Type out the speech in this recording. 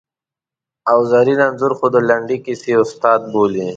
او زرین انځور خو د لنډې کیسې استاد دی!